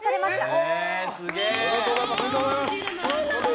おめでとうございます。